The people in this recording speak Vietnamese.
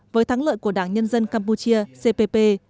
với thắng lợi của đảng nhân dân campuchia cpp